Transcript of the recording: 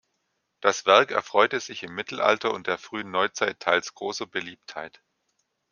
Das Werk erfreute sich im Mittelalter und der Frühen Neuzeit teils großer Beliebtheit.